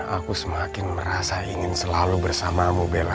aku semakin merasa ingin selalu bersamamu bella